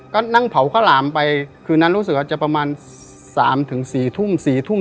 ก็นั่งเผาข้าวหลามไปคือนั้นรู้สึกอาจจะประมาณสามถึงสี่ทุ่ม